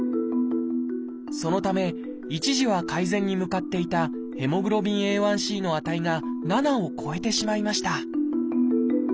そのため一時は改善に向かっていたＨｂＡ１ｃの値が７を超えてしまいました。